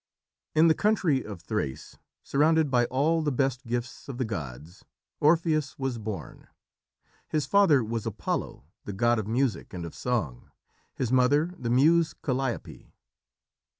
In the country of Thrace, surrounded by all the best gifts of the gods, Orpheus was born. His father was Apollo, the god of music and of song, his mother the muse Calliope.